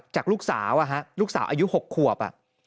จากลูกสาวอายุ๖ขวบ